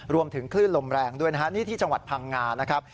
รวมถึงคลื่นลมแรงด้วยนะฮะนี่ที่จังหวัดพังงานะครับ